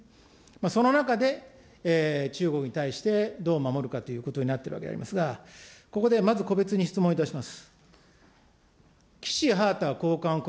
その中で中国に対してどう守るかということになっているわけですが、ここでまず個別に質問いたします。